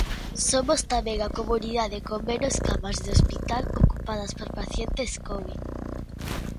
Somos tamén a comunidade con menos camas de hospital ocupadas por pacientes covid.